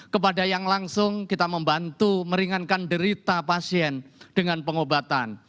kepada yang langsung kita membantu meringankan derita pasien dengan pengobatan